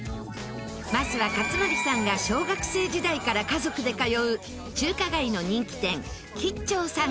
まずは克典さんが小学生時代から家族で通う中華街の人気店吉兆さん。